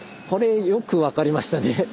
これよく分かりましたね。